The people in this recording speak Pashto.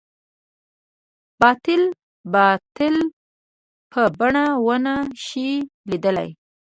باطل د باطل په بڼه ونه شي ليدلی.